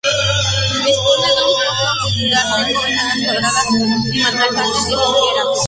Dispone de un foso circular seco, ventanas cuadradas y matacanes y aspilleras.